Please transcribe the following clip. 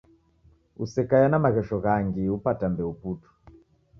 Osekaie na maghesho ghangi upata mbeu putu